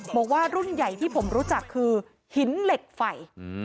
บอกว่ารุ่นใหญ่ที่ผมรู้จักคือหินเหล็กไฟ